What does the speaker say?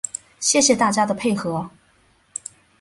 谢谢大家的配合